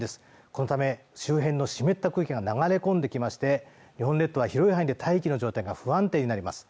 このため周辺の湿った空気が流れ込んできまして日本列島は広い範囲で大気の状態が不安定になります